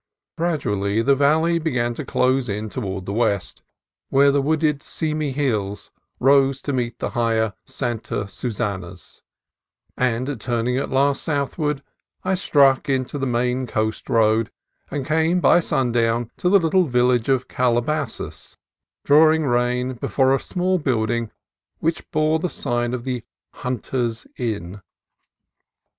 Gradually the valley began to close in toward the west, where the wooded Simi Hills rose to meet the higher Santa Susanas; and turning at last south ward I struck into the main coast road, and came by sundown to the little village of Calabasas, drawing rein before a small building which bore the sign of the Hunter's Inn.